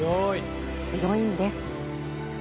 強いんです。